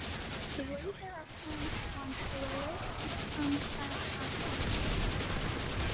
The Weser Uplands once developed its own style of architecture.